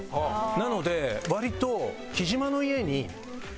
なので割と。